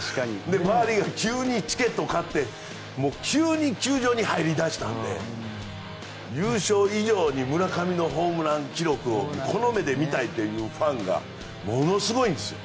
周りが急にチケットを買って急に球場に入り出したので優勝以上に村上のホームラン記録をこの目で見たいというファンがものすごいんですよ。